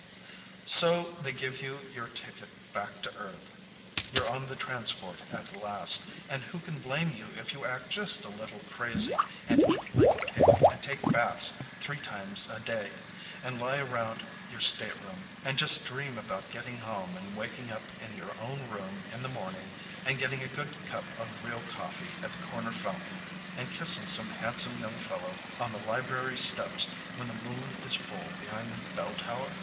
So they give you your ticket back to Earth. You're on the transport at last, and who can blame you if you act just a little crazy and eat like a pig and take baths three times a day and lie around your stateroom and just dream about getting home and waking up in your own room in the morning and getting a good cup of real coffee at the corner fountain and kissing some handsome young fellow on the library steps when the Moon is full behind the bell tower?